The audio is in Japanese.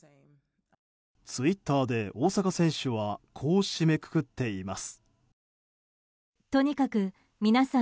ツイッターで大坂選手はこう締めくくっています。